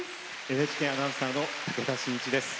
ＮＨＫアナウンサーの武田真一です。